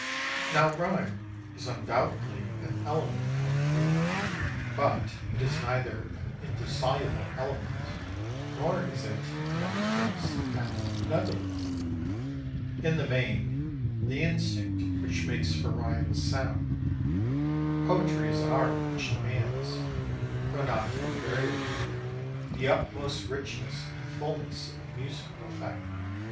Now rhyme is undoubtedly an element of poetry, but it is neither an indissoluble element, nor is it, in every case, an inevitable one. In the main, the instinct which makes for rhyme is sound. Poetry is an art which demands though not invariably the utmost richness and fulness of musical effect.